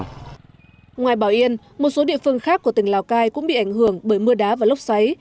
ngoài bảo yên một số địa phương khác của tỉnh lào cai cũng bị ảnh hưởng bởi mưa đá và lốc xoáy